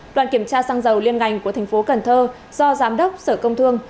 đoàn kiểm tra xăng dầu liên ngành của tp cnh do giám đốc sở công thương